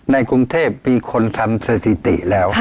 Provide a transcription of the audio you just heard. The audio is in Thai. ในกรุงเทพมีคนทำสถิติแล้ว